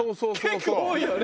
結構多いよね。